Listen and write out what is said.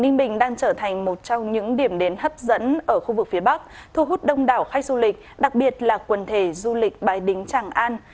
ninh bình đang trở thành một trong những điểm đến hấp dẫn ở khu vực phía bắc thu hút đông đảo khách du lịch đặc biệt là quần thể du lịch bái đính tràng an